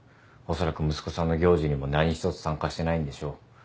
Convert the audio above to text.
おそらく息子さんの行事にも何一つ参加してないんでしょう。